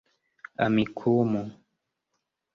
amikumu